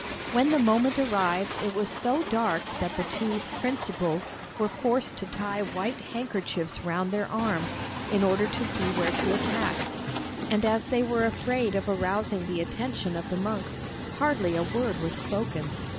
When the moment arrived it was so dark that the two 'principals' were forced to tie white handkerchiefs round their arms, in order to see where to attack; and as they were afraid of arousing the attention of the monks, hardly a word was spoken.